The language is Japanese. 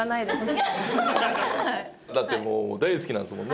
だってもう大好きなんですもんね。